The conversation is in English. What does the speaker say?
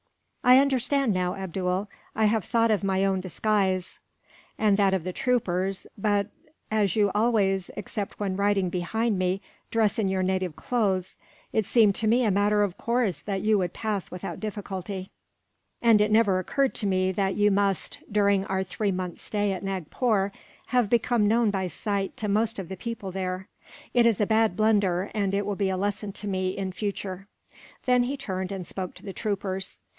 '" "I understand now, Abdool. I have thought of my own disguise, and that of the troopers; but as you always, except when riding behind me, dress in your native clothes, it seemed to me a matter of course that you would pass without difficulty; and it never occurred to me that you must, during our three months' stay at Nagpore, have become known by sight to most of the people there. It is a bad blunder, and it will be a lesson to me, in future." Then he turned, and spoke to the troopers.